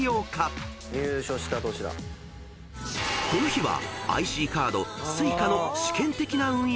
［この日は］